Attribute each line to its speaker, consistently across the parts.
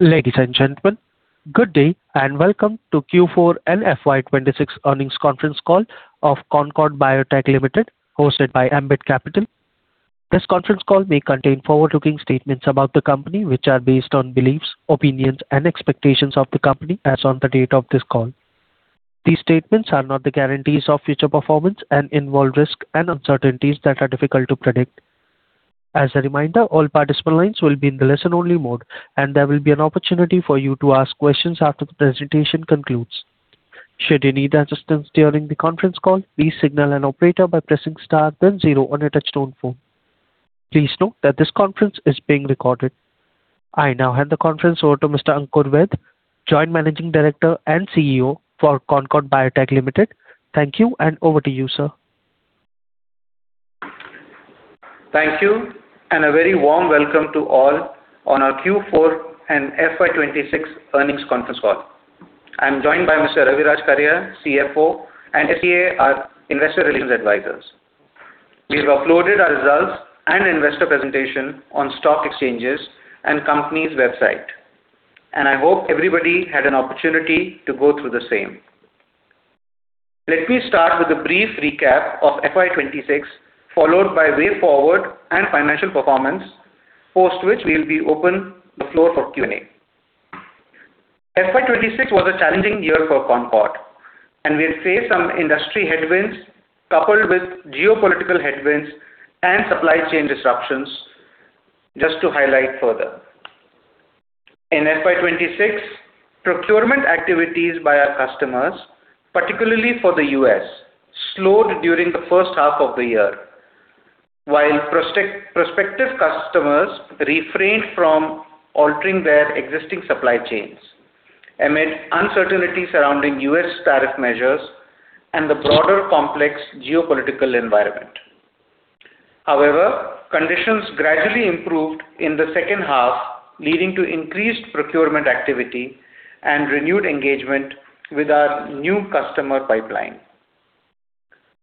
Speaker 1: Ladies and gentlemen, good day, and welcome to the Q4 and FY 2026 Earnings Conference Call of Concord Biotech Limited, hosted by Ambit Capital. This conference call may contain forward-looking statements about the company, which are based on beliefs, opinions, and expectations of the company as on the date of this call. These statements are not the guarantees of future performance and involve risks and uncertainties that are difficult to predict. As a reminder, all participant lines will be in the listen-only mode, and there will be an opportunity for you to ask questions after the presentation concludes. Should you need assistance during the conference call, please signal an operator by pressing star then zero on your touch-tone phone. Please note that this conference is being recorded. I now hand the conference over to Mr. Ankur Vaid, Joint Managing Director and CEO of Concord Biotech Limited. Thank you, and over to you, sir.
Speaker 2: Thank you. A very warm welcome to all on our Q4 and FY 2026 earnings conference call. I'm joined by Mr. Raviraj Karia, CFO, and SGA, our investor relations advisors. We've uploaded our results and investor presentation on stock exchanges and the company's website, and I hope everybody had an opportunity to go through the same. Let me start with a brief recap of FY 2026, followed by the way forward and financial performance, post which we'll be opening the floor for Q&A. FY 2026 was a challenging year for Concord, and we have faced some industry headwinds coupled with geopolitical headwinds and supply chain disruptions. Just to highlight further. In FY 2026, procurement activities by our customers, particularly for the U.S., slowed during the first half of the year, while prospective customers refrained from altering their existing supply chains amid uncertainty surrounding U.S. tariff measures and the broader complex geopolitical environment. Conditions gradually improved in the second half, leading to increased procurement activity and renewed engagement with our new customer pipeline.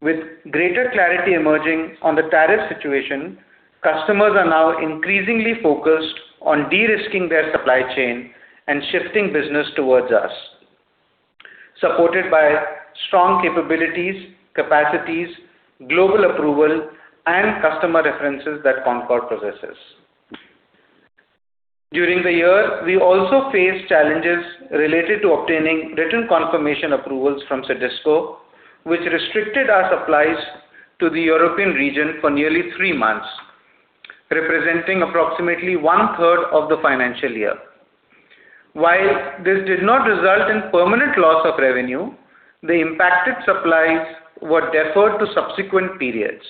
Speaker 2: With greater clarity emerging on the tariff situation, customers are now increasingly focused on de-risking their supply chain and shifting business towards us, supported by strong capabilities, capacities, global approval, and customer references that Concord possesses. During the year, we also faced challenges related to obtaining written confirmation approvals from CDSCO, which restricted our supplies to the European region for nearly three months, representing approximately one-third of the financial year. This did not result in permanent loss of revenue, the impacted supplies were deferred to subsequent periods.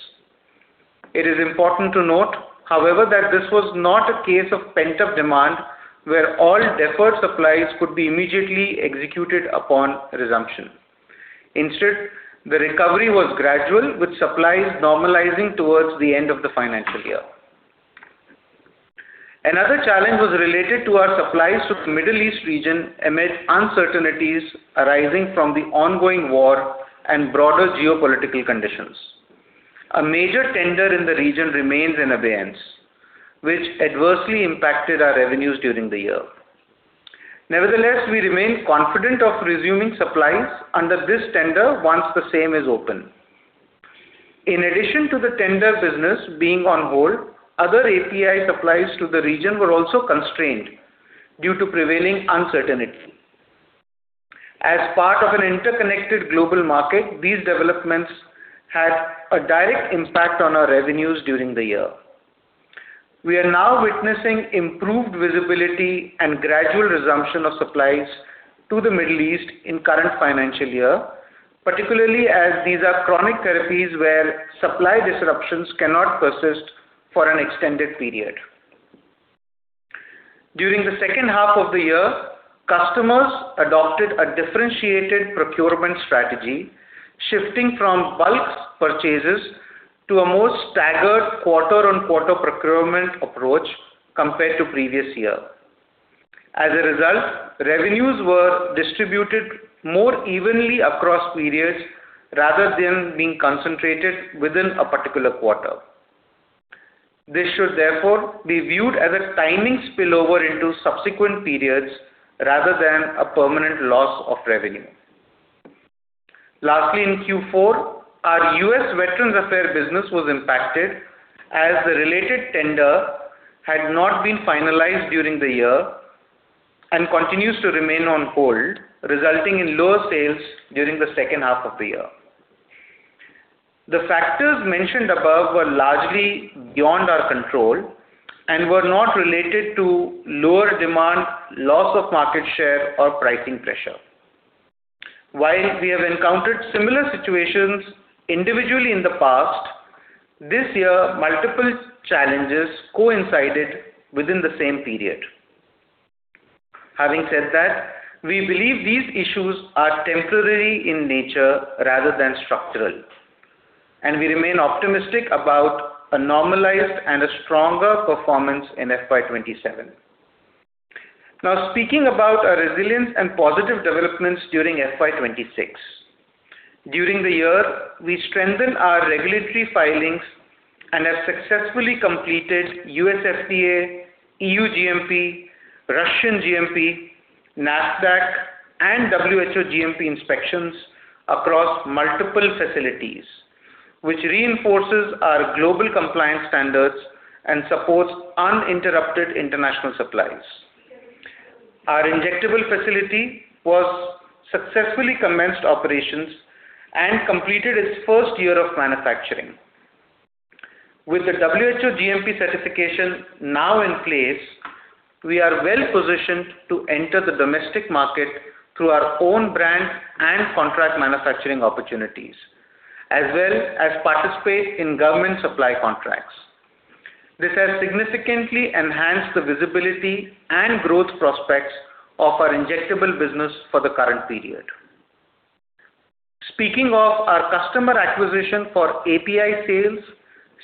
Speaker 2: It is important to note, however, that this was not a case of pent-up demand where all deferred supplies could be immediately executed upon resumption. The recovery was gradual, with supplies normalizing towards the end of the financial year. Another challenge was related to our supplies to the Middle East region amid uncertainties arising from the ongoing war and broader geopolitical conditions. A major tender in the region remains in abeyance, which adversely impacted our revenues during the year. Nevertheless, we remain confident of resuming supplies under this tender once the same is open. In addition to the tender business being on hold, other API supplies to the region were also constrained due to prevailing uncertainty. As part of an interconnected global market, these developments had a direct impact on our revenues during the year. We are now witnessing improved visibility and gradual resumption of supplies to the Middle East in the current financial year, particularly as these are chronic therapies where supply disruptions cannot persist for an extended period. During the second half of the year, customers adopted a differentiated procurement strategy, shifting from bulk purchases to a more staggered quarter-on-quarter procurement approach compared to the previous year. As a result, revenues were distributed more evenly across periods rather than being concentrated within a particular quarter. This should therefore be viewed as a timing spillover into subsequent periods rather than a permanent loss of revenue. Lastly, in Q4, our U.S. Veterans Affairs business was impacted as the related tender had not been finalized during the year and continued to remain on hold, resulting in lower sales during the second half of the year. The factors mentioned above were largely beyond our control and were not related to lower demand, loss of market share, or pricing pressure. While we have encountered similar situations individually in the past, this year multiple challenges coincided within the same period. Having said that, we believe these issues are temporary in nature rather than structural, and we remain optimistic about a normalized and a stronger performance in FY 2027. Speaking about our resilience and positive developments during FY 2026. During the year, we strengthened our regulatory filings and have successfully completed US FDA, EU GMP, Russian GMP, NAFDAC, and WHO GMP inspections across multiple facilities, which reinforces our global compliance standards and supports uninterrupted international supplies. Our injectable facility successfully commenced operations and completed its first year of manufacturing. With the WHO GMP certification now in place, we are well-positioned to enter the domestic market through our own brand and contract manufacturing opportunities, as well as participate in government supply contracts. This has significantly enhanced the visibility and growth prospects of our injectable business for the current period. Speaking of our customer acquisition for API sales,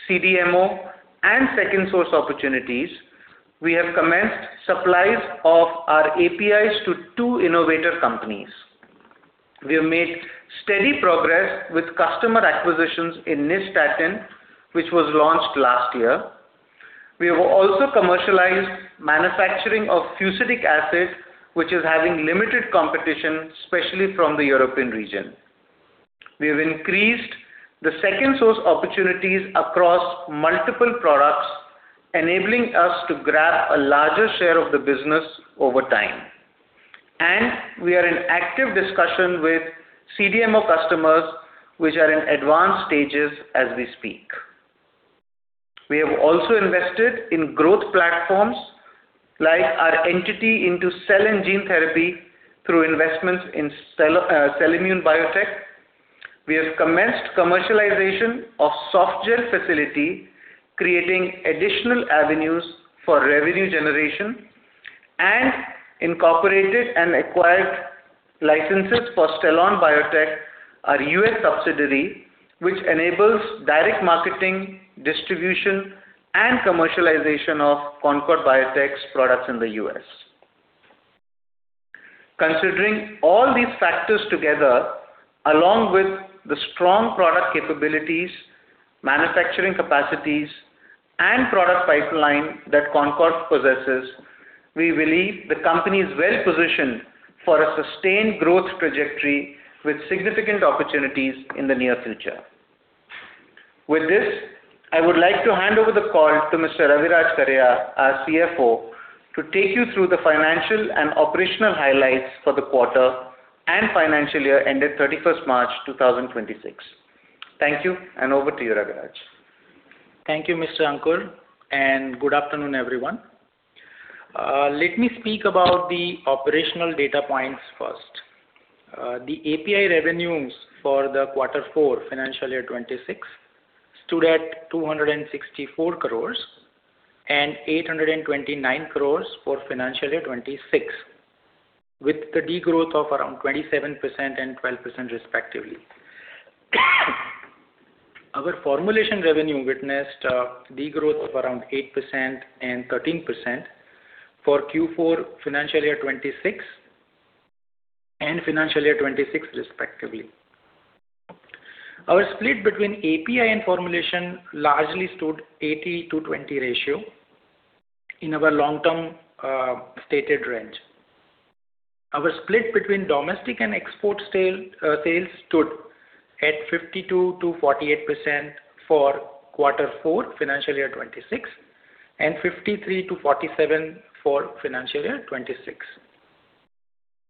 Speaker 2: CDMO, and second-source opportunities, we have commenced the supply of our APIs to two innovator companies. We have made steady progress with customer acquisitions in nystatin, which was launched last year. We have also commercialized the manufacturing of fusidic acid, which has limited competition, especially from the European region. We have increased the second-source opportunities across multiple products, enabling us to grab a larger share of the business over time. We are in active discussion with CDMO customers, which are in advanced stages as we speak. We have also invested in growth platforms like our entity in cell and gene therapy through investments in Celliimmune Biotech. We have commenced commercialization of the softgel facility, creating additional avenues for revenue generation, and incorporated and acquired licenses for Stellon Biotech, our U.S. subsidiary, which enables direct marketing, distribution, and commercialization of Concord Biotech's products in the U.S. Considering all these factors together, along with the strong product capabilities, manufacturing capacities, and product pipeline that Concord possesses, we believe the company is well-positioned for a sustained growth trajectory with significant opportunities in the near future. With this, I would like to hand over the call to Mr. Raviraj Karia, our CFO, to take you through the financial and operational highlights for the quarter and financial year ended March 31 2026. Thank you, over to you. Raviraj.
Speaker 3: Thank you, Mr. Ankur, and good afternoon, everyone. Let me speak about the operational data points first. The API revenues for the Q4 financial year 2026 stood at 264 crores and 829 crores for the financial year 2026, with a degrowth of around 27% and 12%, respectively. Our formulation revenue witnessed a degrowth of around 8% and 13% for Q4 of financial year 2025 and financial year 2026, respectively. Our split between API and formulation largely stood at an 80-20 ratio in our long-term stated range. Our split between domestic and export sales stood at 52%-48% for Q4 of financial year 2025 and 53%-47% for financial year 2026.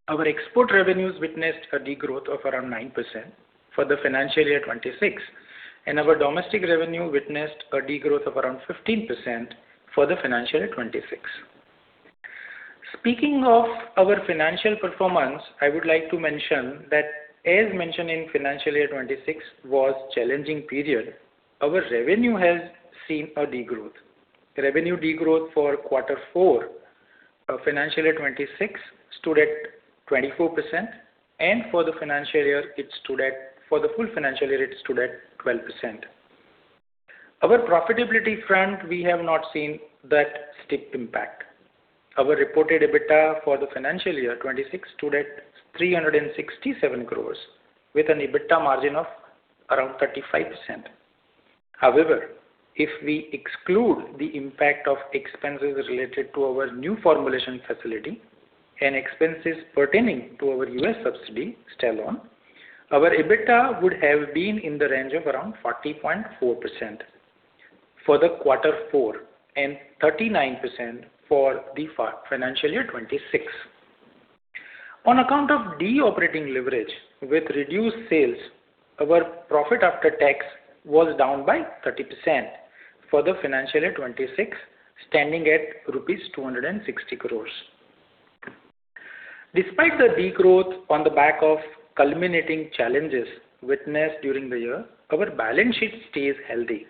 Speaker 3: Our export revenues witnessed a degrowth of around 9% for the financial year 2026, and our domestic revenue witnessed a degrowth of around 15% for the financial year 2026. Speaking of our financial performance, I would like to mention that, as mentioned, financial year 2026 was a challenging period, and our revenue has seen degrowth. Revenue degrowth for quarter four of financial year 2026 stood at 24%. For the full financial year, it stood at 12%. Our profitability front, we have not seen that steep impact. Our reported EBITDA for the financial year 2026 stood at 367 crore with an EBITDA margin of around 35%. If we exclude the impact of expenses related to our new formulation facility and expenses pertaining to our U.S. subsidiary, Stellon, our EBITDA would have been in the range of around 40.4% for the fourth quarter and 39% for the financial year 2026. On account of de-operating leverage with reduced sales, our profit after tax was down by 30% for the financial year 2026, standing at rupees 260 crore. Despite the degrowth on the back of culminating challenges witnessed during the year, our balance sheet stays healthy.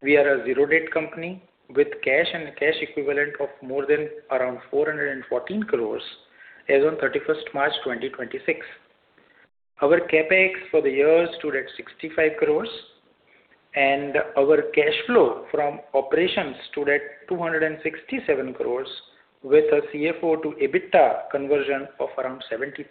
Speaker 3: We are a zero-debt company with cash and cash equivalents of more than around 414 crores as of March 31 2026. Our CapEx for the year stood at 65 crores Our cash flow from operations stood at 267 crores with a CFO to EBITDA conversion of around 73%.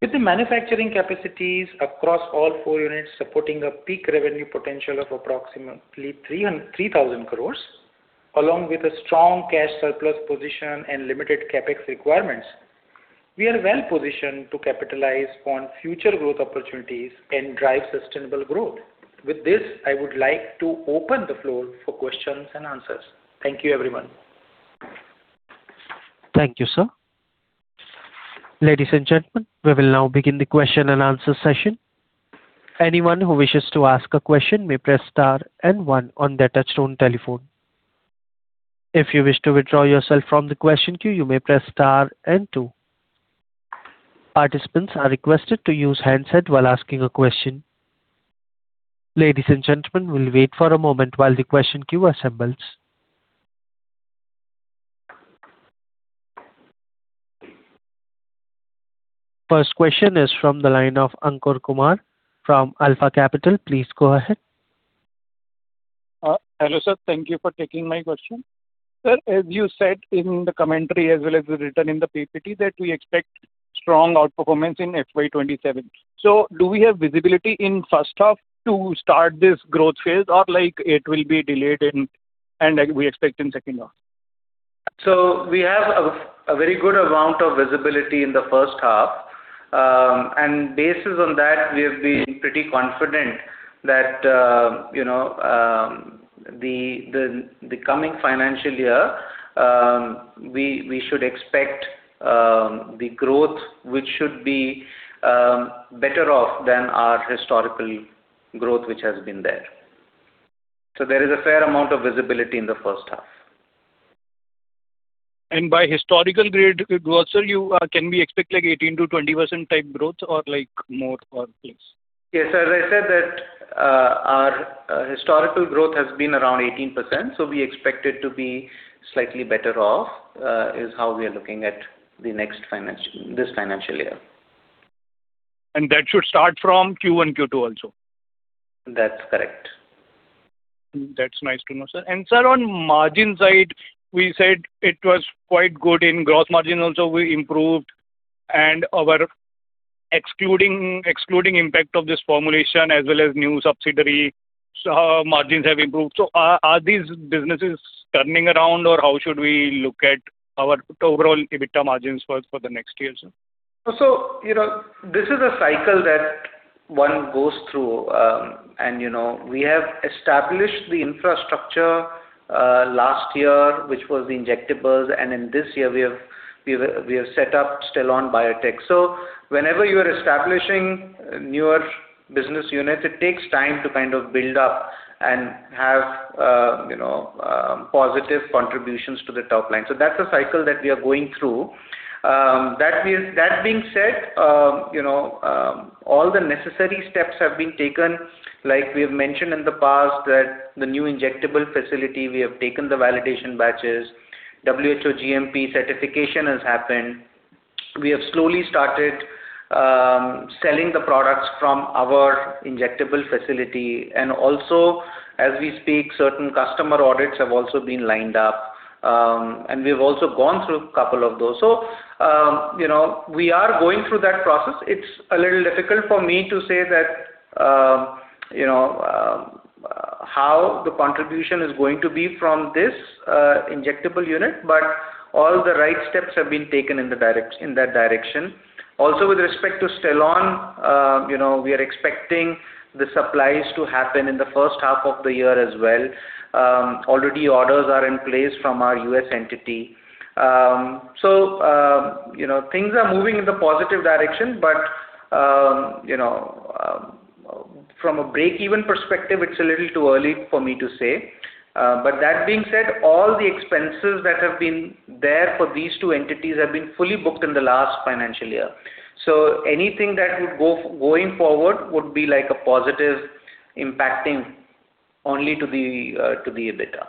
Speaker 3: With the manufacturing capacities across all four units supporting a peak revenue potential of approximately 3,000 crores, along with a strong cash surplus position and limited CapEx requirements, we are well-positioned to capitalize on future growth opportunities and drive sustainable growth. With this, I would like to open the floor for questions and answers. Thank you, everyone.
Speaker 1: Thank you, sir. Ladies and gentlemen, we will now begin the question and answer session. Anyone who wishes to ask a question may press star and one on their touchtone telephone. If you wish to withdraw yourself from the question queue, you may press star and two. Participants are requested to use the handset while asking a question. Ladies and gentlemen, we will wait for a moment while the question queue assembles. First question is from the line of Ankur Kumar from Alpha Capital. Please go ahead.
Speaker 4: Hello, sir. Thank you for taking my question. Sir, as you said in the commentary as well as wrote in the PPT, we expect strong outperformance in FY 2027. Do we have visibility in the first half to start this growth phase, or will it be delayed, and do we expect it in the second half?
Speaker 2: We have a very good amount of visibility in the first half, and based on that, we have been pretty confident that in the coming financial year, we should expect growth, which should be better off than our historical growth, which has been there. There is a fair amount of visibility in the first half.
Speaker 4: By historical growth, sir, can we expect 18%-20% type growth or more or less?
Speaker 2: Yes. As I said, our historical growth has been around 18%, so we expect it to be slightly better off; that is how we are looking at this financial year.
Speaker 4: That should start from Q1, and Q2 also?
Speaker 2: That's correct.
Speaker 4: That's nice to know, sir. Sir, on the margin side, we said it was quite good. In gross margin also improved, and excluding the impact of this formulation as well as the new subsidiary, margins have improved. Are these businesses turning around, or how should we look at our overall EBITDA margins for the next year, sir?
Speaker 2: This is a cycle that one goes through. We established the infrastructure last year, which was the injectables, and in this year we have set up Stellon Biotech. Whenever you are establishing newer business units, it takes time to build up and have positive contributions to the top line. That's a cycle that we are going through. That being said, all the necessary steps have been taken. Like we have mentioned in the past, for the new injectable facility, we have taken the validation batches. WHO GMP certification has happened. We have slowly started selling the products from our injectable facility, and also, as we speak, certain customer audits have also been lined up. We've also gone through a couple of those. We are going through that process. It's a little difficult for me to say how the contribution is going to be from this injectable unit, but all the right steps have been taken in that direction. With respect to Stellon, we are expecting the supplies to happen in the first half of the year as well. Already orders are in place from our U.S. entity. Things are moving in the positive direction, but from a break-even perspective, it's a little too early for me to say. That being said, all the expenses that have been there for these two entities have been fully booked in the last financial year. Anything that would, going forward, would be a positive impact only on the EBITDA.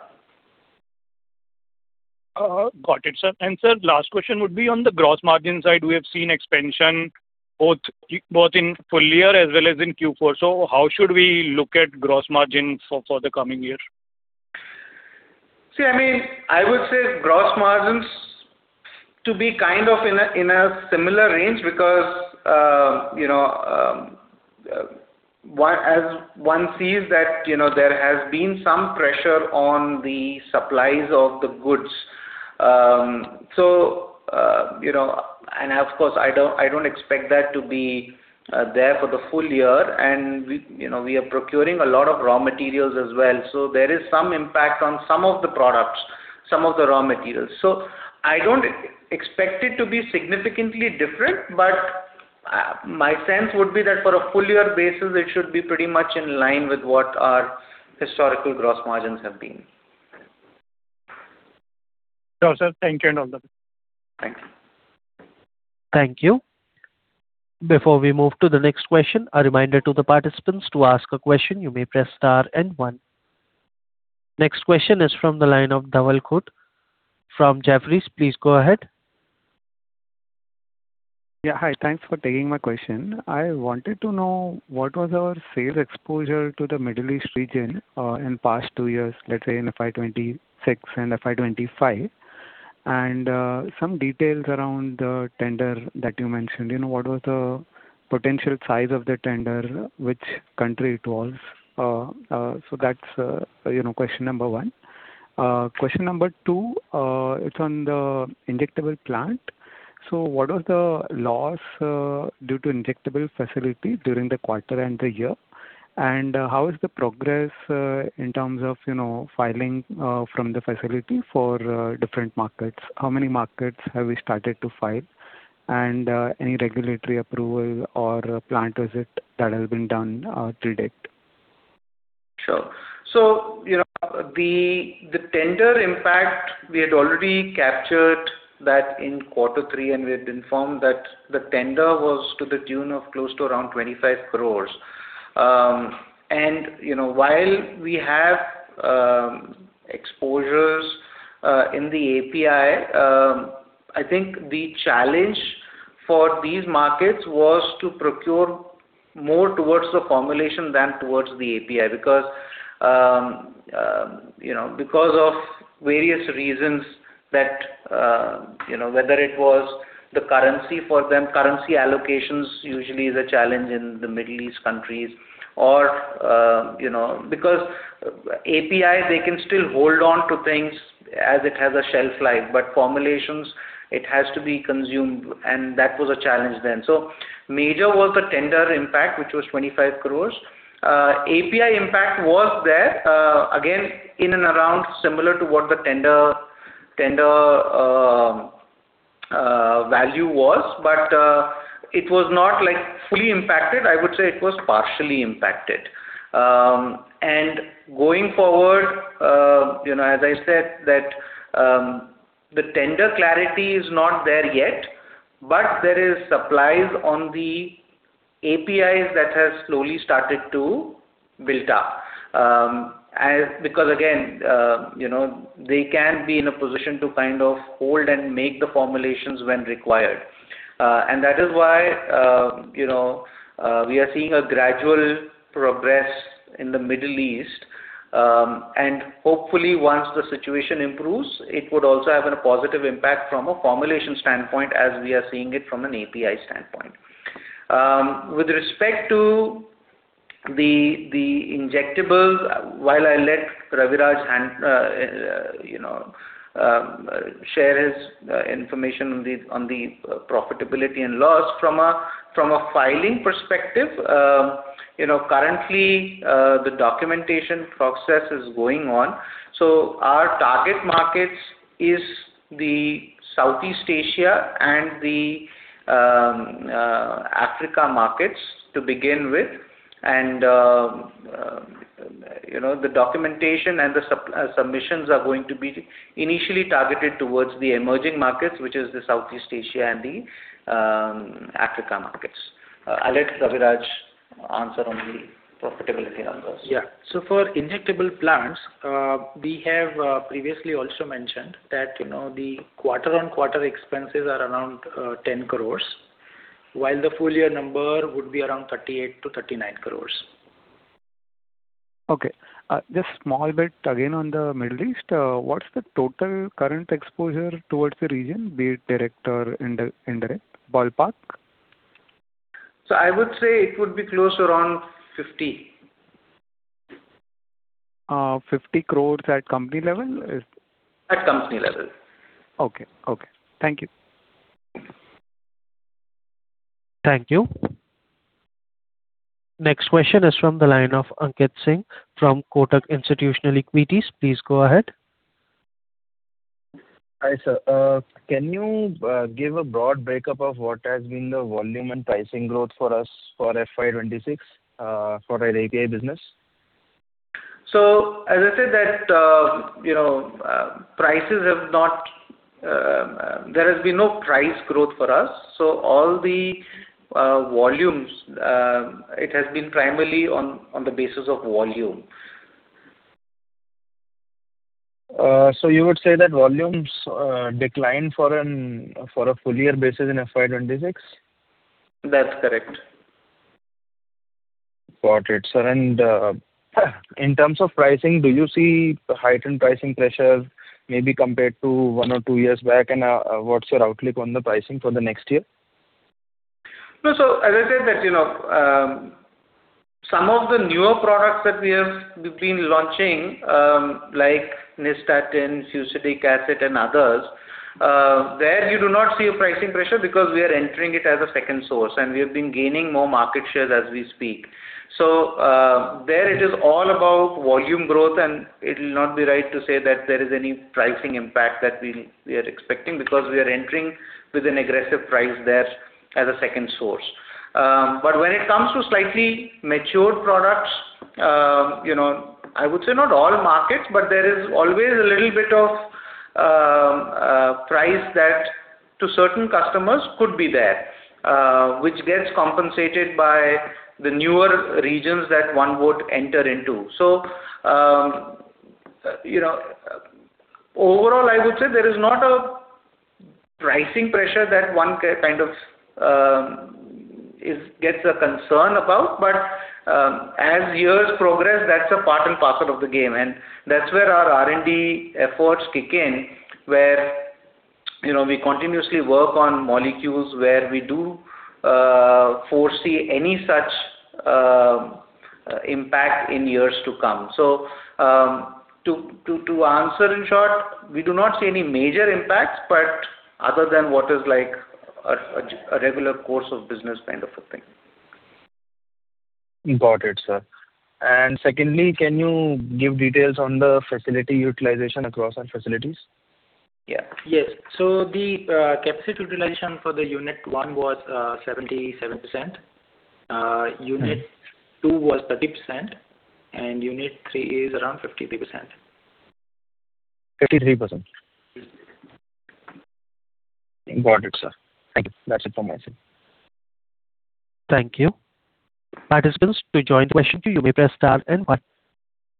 Speaker 4: Got it, sir. Sir, the last question would be on the gross margin side. We have seen expansion both in the full year as well as in Q4. How should we look at gross margin for the coming year?
Speaker 2: See, I would say gross margins are to be kind of in a similar range because one sees that there has been some pressure on the supplies of the goods. Of course, I don't expect that to be there for the full year, and we are procuring a lot of raw materials as well. There is some impact on some of the products and some of the raw materials. I don't expect it to be significantly different, but my sense would be that on a full-year basis, it should be pretty much in line with what our historical gross margins have been.
Speaker 4: Sure, sir. Thank you and all the best.
Speaker 2: Thanks.
Speaker 1: Thank you. Before we move to the next question, a reminder to the participants: to ask a question, you may press star and one. Next question is from the line of Dhaval Khunt from Jefferies. Please go ahead.
Speaker 5: Yeah. Hi. Thanks for taking my question. I wanted to know what our sales exposure to the Middle East region was in the past two years, let's say in FY 2026 and FY 2025, and some details around the tender that you mentioned. What was the potential size of the tender? Which country was it? That's question number one. Question number two is on the injectable plant. What was the loss due to the injectable facility during the quarter and the year, and how is the progress in terms of filing from the facility for different markets? How many markets have we started to file, and what regulatory approval or plant visit has been done to date?
Speaker 2: Sure. The tender impact, we had already captured that in quarter three, and we had informed that the tender was to the tune of close to around 25 crore. While we have exposures in the API, I think the challenge for these markets was to procure more towards the formulation than towards the API, because of various reasons, whether it was the currency for them—currency allocations usually are a challenge in the Middle East countries—or because for the API, they can still hold on to things as it has a shelf life, but for formulations, they have to be consumed. That was a challenge then. Major was the tender impact, which was 25 crores. The API impact was there again, in and around similar to what the tender value was. It was not fully impacted. I would say it was partially impacted. Going forward, as I said, the tender clarity is not there yet, but there are supplies on the APIs that have slowly started to build up. Again, they can be in a position to kind of hold and make the formulations when required. That is why we are seeing gradual progress in the Middle East. Hopefully once the situation improves, it will also have a positive impact from a formulation standpoint, as we are seeing it from an API standpoint. With respect to the injectables, while I let Raviraj share his information on the profitability and loss from a filing perspective, currently the documentation process is going on. Our target markets are Southeast Asia and the African markets to begin with. The documentation and the submissions are going to be initially targeted towards the emerging markets, which are the Southeast Asia and the Africa markets. I'll let Raviraj answer on the profitability numbers.
Speaker 3: Yeah. For injectable plants, we have previously also mentioned that the quarter-on-quarter expenses are around 10 crore, while the full-year number would be around 38 crore-39 crore.
Speaker 5: Okay. Just a small bit again on the Middle East. What's the total current exposure to the region, be it direct or indirect, ballpark?
Speaker 2: I would say it would be close around 50.
Speaker 5: 50 crores at the company level?
Speaker 2: At company level.
Speaker 5: Okay. Thank you.
Speaker 1: Thank you. Next question is from the line of Aniket Singh from Kotak Institutional Equities. Please go ahead.
Speaker 6: Hi, sir. Can you give a broad breakup of what has been the volume and pricing growth for us for FY 2026 for our API business?
Speaker 2: As I said, there has been no price growth for us. All the volumes have been primarily on the basis of volume.
Speaker 6: You would say that volumes declined on a full-year basis in FY 2026?
Speaker 2: That's correct.
Speaker 6: Got it, sir. In terms of pricing, do you see heightened pricing pressure maybe compared to one or two years back? What's your outlook on the pricing for the next year?
Speaker 2: No. As I said, some of the newer products that we've been launching, like nystatin, fusidic acid, and others, you do not see a pricing pressure on because we are entering them as a second source, and we have been gaining more market share as we speak. There it is all about volume growth, and it will not be right to say that there is any pricing impact that we are expecting because we are entering with an aggressive price there as a second source. When it comes to slightly mature products, I would say not all markets, but there is always a little bit of price that, to certain customers, could be there, which gets compensated by the newer regions that one would enter into. Overall, I would say there is not a pricing pressure that one gets a concern about. As years progress, that's a part and parcel of the game. That's where our R&D efforts kick in, where we continuously work on molecules where we do foresee any such impact in years to come. To answer, in short, we do not see any major impacts, other than what is a regular course of business kind of a thing.
Speaker 6: Got it, sir. Secondly, can you give details on the facility utilization across our facilities?
Speaker 3: Yes. The capacity utilization for unit one was 77%, unit two was 30%, and unit three is around 53%.
Speaker 6: 53%?
Speaker 3: 53%.
Speaker 6: Got it, sir. Thank you. That's it from my side.
Speaker 1: Thank you. Participants, to join the question queue, you may press star and one.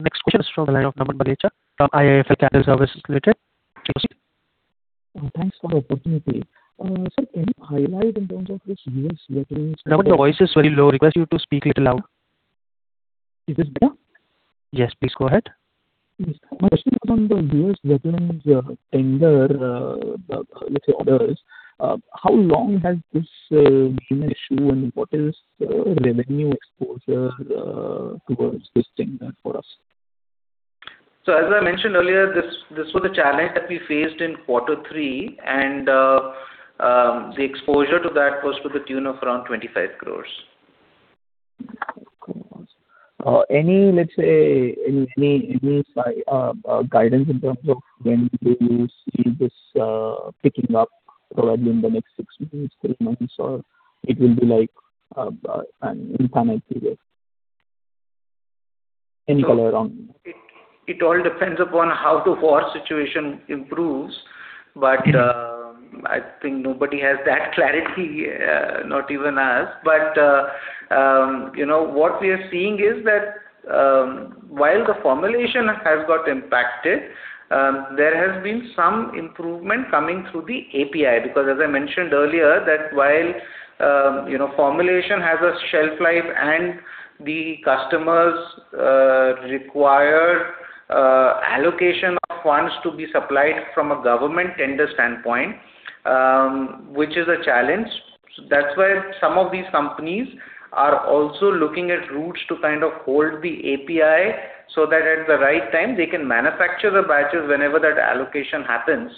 Speaker 1: Next question is from the line of Naman Bagrecha from IIFL Securities Limited.
Speaker 7: Thanks for the opportunity. Sir, can you highlight this in terms of U.S. veterans?
Speaker 1: Naman, your voice is very low. Request you to speak a little louder.
Speaker 7: Is this better?
Speaker 1: Yes. Please go ahead.
Speaker 7: Yes. My question is on the U.S. veterans' tender orders. How long has this been an issue, and what is the revenue exposure towards this thing for us?
Speaker 2: As I mentioned earlier, this was a challenge that we faced in quarter three, and the exposure to that was to the tune of around INR 25 crore.
Speaker 7: Any guidance in terms of when do you see this picking up, probably in the next six months or 12 months, or will it be like an infinite period? Any color on that.
Speaker 2: It all depends upon how the war situation improves. I think nobody has that clarity, not even us. What we are seeing is that while the formulation has got impacted, there has been some improvement coming through the API. As I mentioned earlier, while formulation has a shelf life, the customers require allocation of funds to be supplied from a government tender standpoint, which is a challenge. That's why some of these companies are also looking at routes to kind of hold the API so that at the right time they can manufacture the batches whenever that allocation happens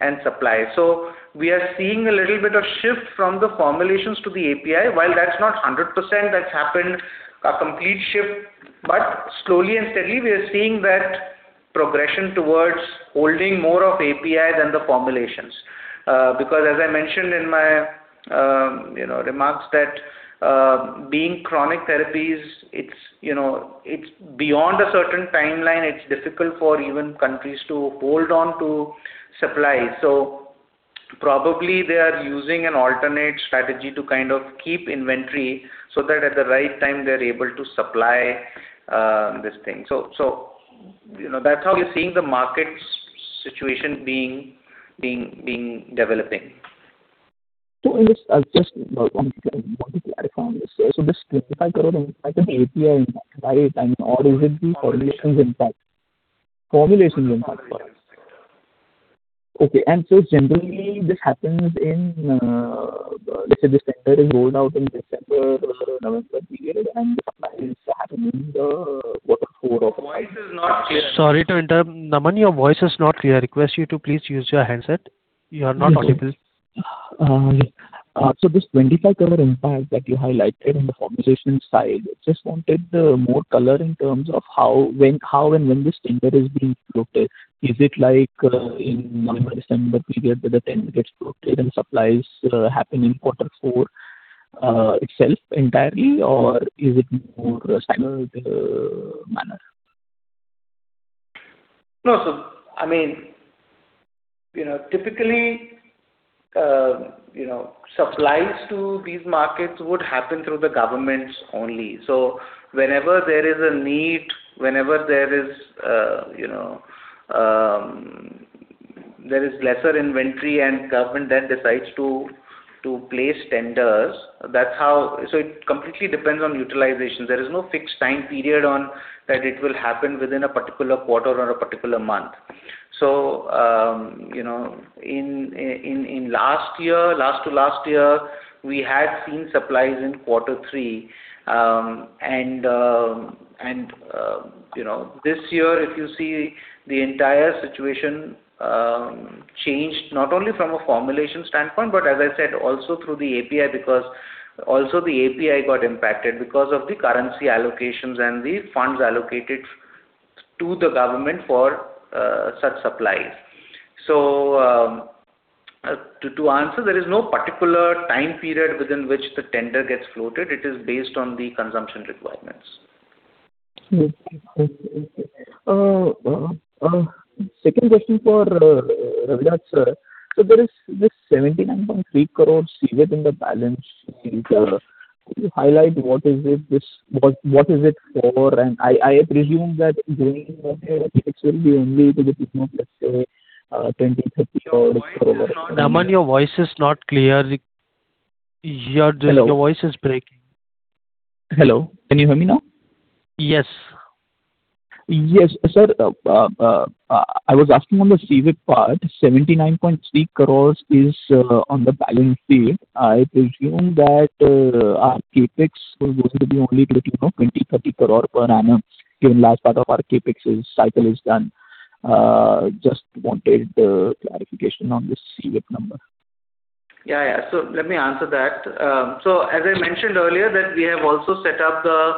Speaker 2: and supply them. We are seeing a little bit of shift from the formulations to the API. While that's not 100% that's happened, a complete shift, but slowly and steadily, we are seeing that progression towards holding more of the API than the formulations. As I mentioned in my remarks, being chronic therapies beyond a certain timeline, it's difficult for even countries to hold on to supply. Probably they are using an alternate strategy to kind of keep inventory so that at the right time, they're able to supply this thing. That's how we're seeing the market situation developing.
Speaker 7: I just want to clarify on this. This 25 crore impact is API impact, right? Or is it the formulations' impact?
Speaker 2: Formulations impact.
Speaker 7: Formulations impact. Okay. Generally, this happens in, let's say, this tender is rolled out in the December-November period, and supplies happen in quarter four.
Speaker 1: Sorry to interrupt. Naman, your voice is not clear. Request you to please use your handset. You are not audible.
Speaker 7: This 25 crore impact that you highlighted on the formulations side—I just wanted more color in terms of how and when this tender is being floated. Is it like the November, December period where the tender gets floated and supplies happen in quarter four entirely, or is it more staggered?
Speaker 2: No. Typically, supplies to these markets would happen through the governments only. Whenever there is a need, whenever there is less inventory and the government decides to place tenders, that's how. It completely depends on utilization. There is no fixed time period on it; it will happen within a particular quarter or a particular month. In the last year and the year before last, we had seen supplies in quarter three. This year, if you see, the entire situation changed not only from a formulation standpoint but also, as I said, through the API, because the API also got impacted because of the currency allocations and the funds allocated to the government for such supplies. To answer, there is no particular time period within which the tender gets floated. It is based on the consumption requirements.
Speaker 7: Okay. Second question for Raviraj sir. There is this 79.3 crore carried on the balance sheet. Could you highlight what it is for? I presume that [inaudible] INR 20 crore-INR 30 crore per annum.
Speaker 1: Naman, your voice is not clear.
Speaker 7: Hello.
Speaker 1: Your voice is breaking.
Speaker 7: Hello. Can you hear me now?
Speaker 1: Yes.
Speaker 7: Yes. Sir, I was asking about the CWIP part, 79.3 crore is on the balance sheet. I presume that our CapEx was supposed to be only to the tune of 20 crore-30 crore per annum, given the last part of our CapEx cycle is done. Just wanted clarification on this CWIP number.
Speaker 2: Let me answer that. As I mentioned earlier, we have also set up the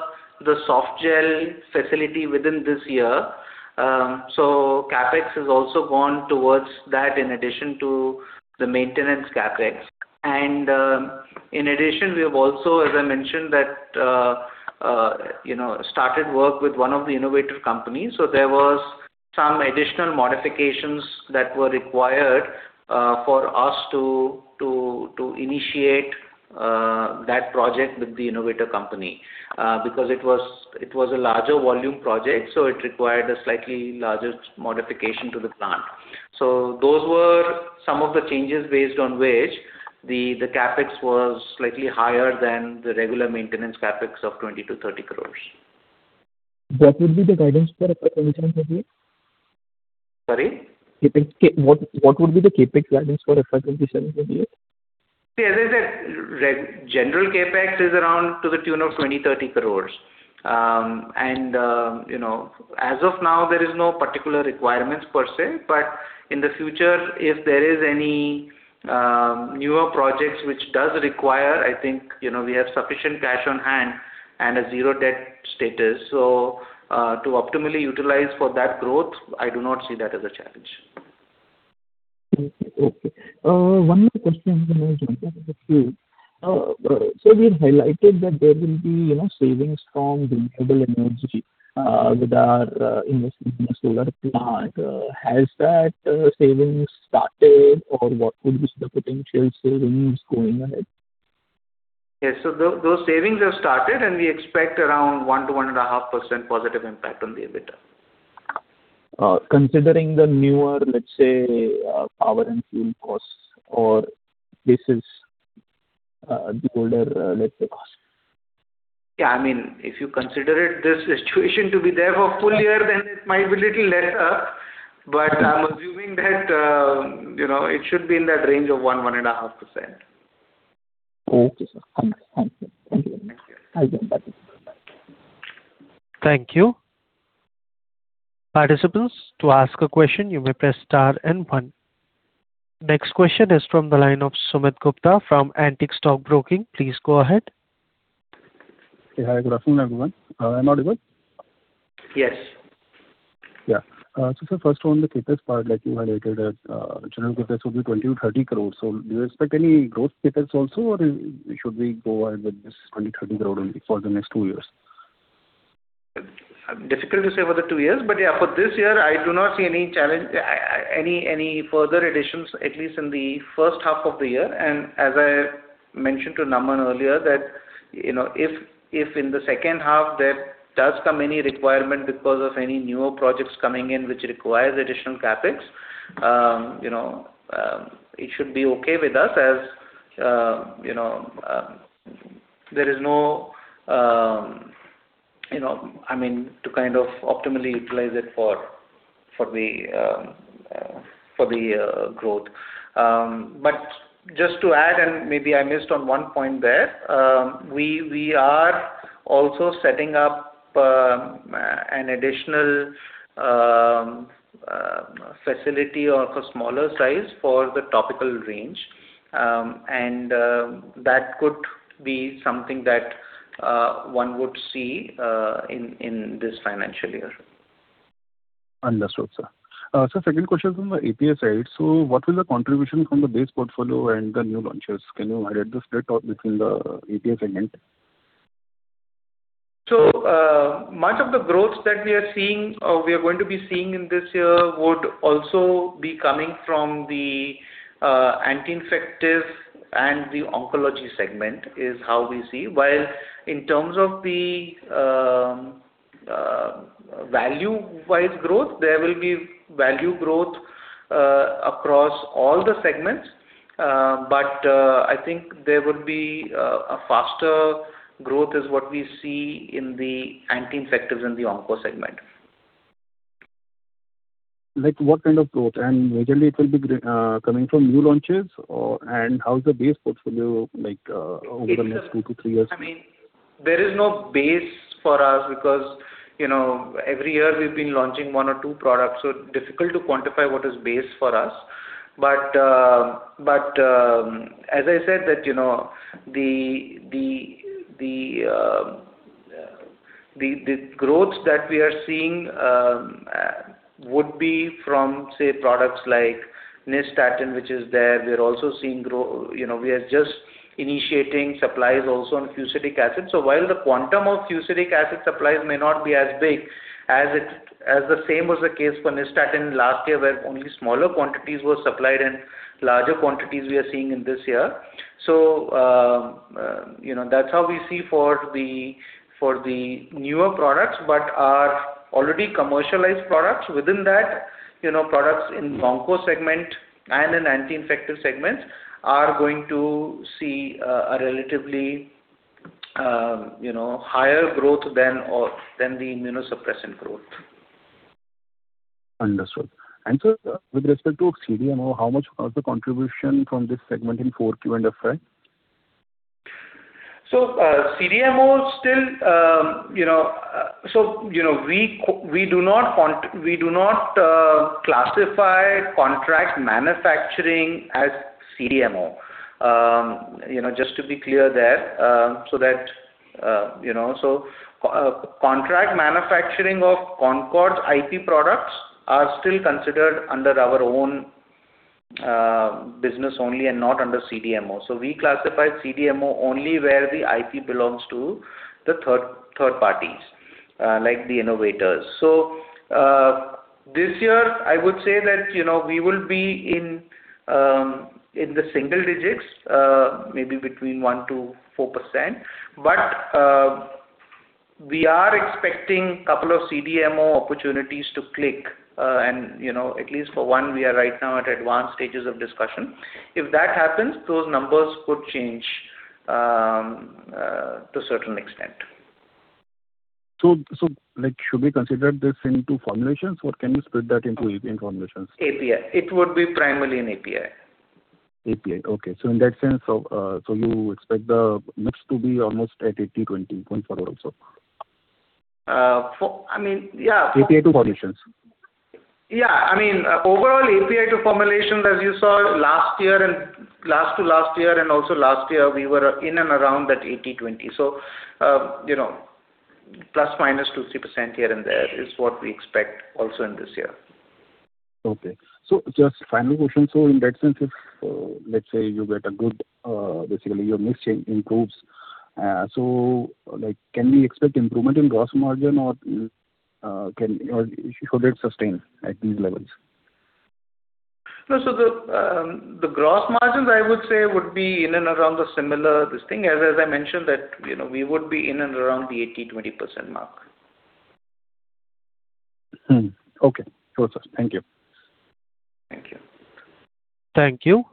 Speaker 2: softgel facility this year. CapEx has also gone towards that in addition to the maintenance CapEx. In addition, we have also, as I mentioned, started work with one of the innovative companies. There were some additional modifications that were required for us to initiate that project with the innovative company because it was a larger volume project, so it required a slightly larger modification to the plant. Those were some of the changes based on which the CapEx was slightly higher than the regular maintenance CapEx of 20 crore-30 crore.
Speaker 7: What would be the guidance for FY 2027 maybe?
Speaker 2: Sorry.
Speaker 7: What would be the CapEx guidance for FY 2027 maybe?
Speaker 2: As I said, general CapEx is around the tune of 20 crores-30 crores. As of now, there are no particular requirements per se. In the future, if there are any newer projects that do require it, I think we have sufficient cash on hand and a zero debt status. To optimally utilize that growth, I do not see that as a challenge.
Speaker 7: Okay. One more question on the same. Sir, we have highlighted that there will be savings from renewable energy with our investment in the solar plant. Has that saving started, or what would be the potential saving going ahead?
Speaker 2: Yes. Those savings have started, and we expect around a 1%-1.5% positive impact on the EBITDA.
Speaker 7: Considering the newer, let's say, power and fuel costs, or this is the older, let's say, cost.
Speaker 2: Yeah. If you consider this situation to be there for a full year, then it might be a little less, but I'm assuming that it should be in that range of 1%-1.5%.
Speaker 7: Okay, sir. Thank you.
Speaker 1: Thank you. Participants, to ask a question, you may press star one. Next question is from the line of Sumit Gupta from Antique Stock Broking. Please go ahead.
Speaker 8: Hi. Good afternoon, everyone. Am I audible?
Speaker 2: Yes.
Speaker 8: Yeah. Sir, first on the CapEx part, like you highlighted, general CapEx will be 20 crore-30 crore. Do you expect any growth CapEx also, or should we go ahead with this 20 crore-30 crore only for the next two years?
Speaker 2: Difficult to say for the two years. Yeah, for this year I do not see any further additions, at least in the first half of the year. As I mentioned to Naman earlier, if in the second half there does come any requirement because of any newer projects coming in that require additional CapEx, it should be okay with us, as there is no—To optimally utilize it for growth. Just to add, and maybe I missed one point there, we are also setting up an additional facility of a smaller size for the topical range. That could be something that one would see in this financial year.
Speaker 8: Understood, sir. Sir, second question from the API side. What will the contribution be from the base portfolio and the new launches? Can you highlight the split between the API segments?
Speaker 2: Much of the growth that we are going to be seeing in this year would also be coming from the anti-infective and the oncology segment, is how we see it. In terms of the value-wise growth, there will be value growth across all the segments. I think there would be faster growth than what we see in the anti-infectives and the oncology segment.
Speaker 8: What kind of growth and majorly will it be coming from new launches, and how is the base portfolio over the next two to three years?
Speaker 2: There is no base for us because every year we've been launching one or two products; it is difficult to quantify what is the base for us. As I said, the growth that we are seeing would be from, say, products like nystatin, which is there. We are just initiating supplies also of fusidic acid. While the quantum of fusidic acid supplies may not be as big as was the case for nystatin last year, where only smaller quantities were supplied and larger quantities we are seeing this year. That's how we see the newer products. Our already commercialized products within that, products in the Onco segment and in the anti-infective segments, are going to see a relatively higher growth than the immunosuppressant growth.
Speaker 8: Understood. sir, with respect to CDMO, how much was the contribution from this segment in Q4 and FY?
Speaker 2: CDMO, we do not classify contract manufacturing as a CDMO. Just to be clear there. Contract manufacturing of Concord's IP products is still considered under our own business only and not under CDMO. We classify CDMO only where the IP belongs to the third parties, like the innovators. This year, I would say that we will be in the single digits, maybe between 1%-4%. We are expecting a couple of CDMO opportunities to click. At least for one, we are right now at advanced stages of discussion. If that happens, those numbers could change to a certain extent.
Speaker 8: Should we consider this into formulations, or can you split that into API formulations?
Speaker 2: API. It would be primarily in API.
Speaker 8: API. Okay. In that sense, you expect the mix to be almost at 80-20 going forward also?
Speaker 2: I mean, yeah.
Speaker 8: API to formulations.
Speaker 2: Yeah. I mean, overall API to formulations, as you saw last year and the year before, we were in and around that 80-20. ±2%-3% here and there is what we expect also this year.
Speaker 8: Okay. Just one final question. In that sense, let's say your mix improves. Can we expect improvement in gross margin, or should it sustain at these levels?
Speaker 2: No. The gross margins I would say would be in and around the similar, this thing. As I mentioned, we would be in and around the 80%-20% mark.
Speaker 8: Okay. Got it. Thank you.
Speaker 2: Thank you.
Speaker 1: Thank you.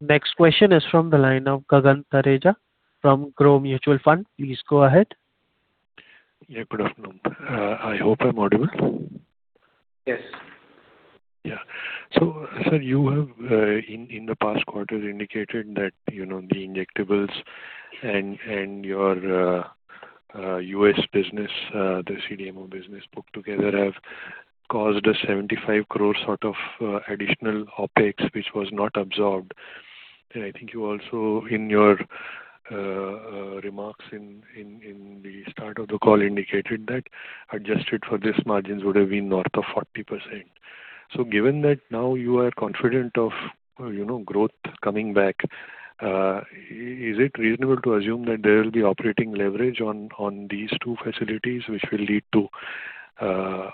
Speaker 1: Next question is from the line of Gagan Thareja from Groww Mutual Fund. Please go ahead.
Speaker 9: Good afternoon. I hope I'm audible.
Speaker 2: Yes.
Speaker 9: Yeah. Sir, you have in the past quarters indicated that the injectables and your U.S. business, the CDMO business put together, have caused an 75 crore sort of additional OpEx, which was not absorbed. I think you also, in your remarks at the start of the call, indicated that adjusted for this, margins would have been north of 40%. Given that now you are confident of growth coming back, is it reasonable to assume that there will be operating leverage on these two facilities, which will lead to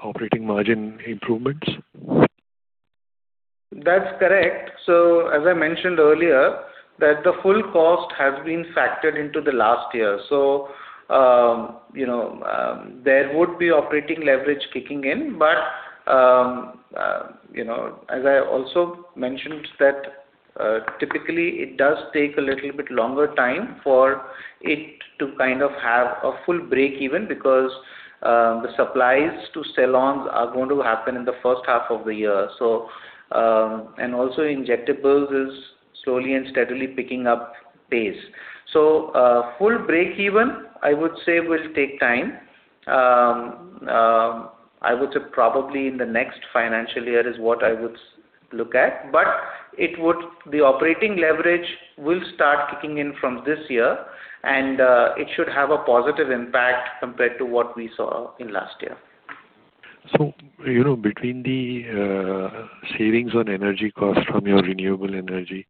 Speaker 9: operating margin improvements?
Speaker 2: That's correct. As I mentioned earlier, the full cost was factored into last year. There would be operating leverage kicking in. As I also mentioned, typically it does take a little bit longer for it to kind of have a full breakeven because the supplies to Stellon are going to happen in the first half of the year. Also, injectables are slowly and steadily picking up pace. Full breakeven, I would say, will take time. I would say probably in the next financial year is what I would look at. The operating leverage will start kicking in from this year, and it should have a positive impact compared to what we saw last year.
Speaker 9: Between the savings on energy costs from your renewable energy